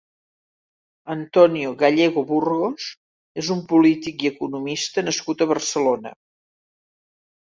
Antonio Gallego Burgos és un polític i economista nascut a Barcelona.